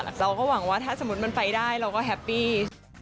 เราก็หวังว่าถ้าสมมุติมันไปได้เราก็แฮปปี้